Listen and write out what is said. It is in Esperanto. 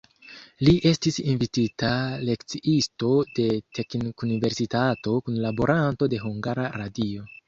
Li estis invitita lekciisto de teknikuniversitato, kunlaboranto de hungara radio.